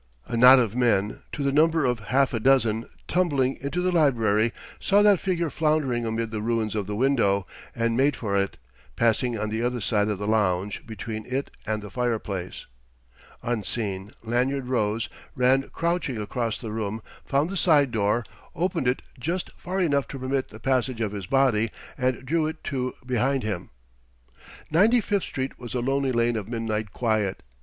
A knot of men, to the number of half a dozen, tumbling into the library, saw that figure floundering amid the ruins of the window, and made for it, passing on the other side of the lounge, between it and the fireplace. Unseen, Lanyard rose, ran crouching across the room; found the side door, opened it just far enough to permit the passage of his body, and drew it to behind him. Ninety fifth Street was a lonely lane of midnight quiet.